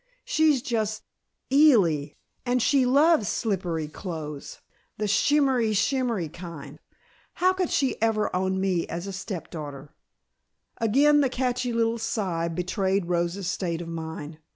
She's just eel ly, and she loves slippery clothes, the shimmery shimmery kind. How could she ever own me as a step daughter?" Again the catchy little sigh betrayed Rosa's state of mind.